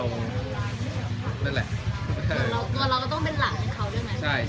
ตัวเราก็ต้องเป็นหลักให้เขาใช่ไหม